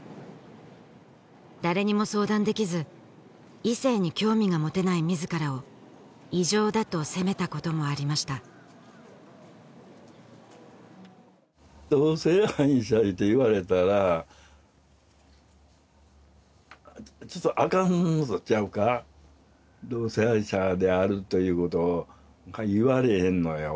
誰にも相談できず異性に興味が持てない自らを異常だと責めたこともありました同性愛者やて言われたらちょっとアカンのとちゃうか同性愛者であるということを言われへんのよ